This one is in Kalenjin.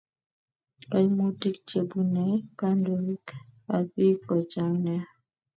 Kaimutik chebunei kandoik ab bik ko chang nea